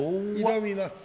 挑みます。